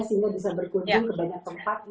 sehingga bisa berkunjung ke banyak tempat ya mbak nisa